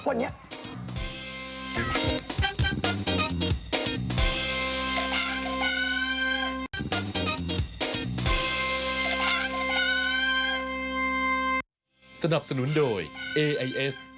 ก็เหมือนกับคนนี้